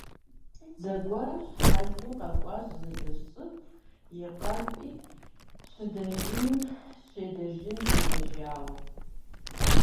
Зэгуэрым щхьэлым къэкӀуащ зы лӀыжь цӀыкӀу, и къэпми щыдэжыным щыдэжын тедэжауэ.